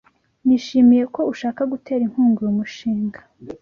Nishimiye ko ushaka gutera inkunga uyu mushinga.